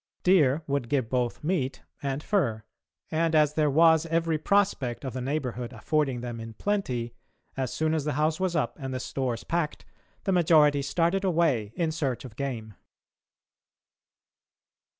Deer would give both meat and fur, and as there was every prospect of the neighbourhood affording them in plenty, as soon as the house was up and the stores packed, the majority started away in search of game.